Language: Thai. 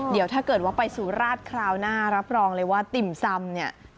เดี๋ยวถ้าเกิดว่าไปสุราชคราวหน้ารับรองเลยว่าติ่มซำเนี่ย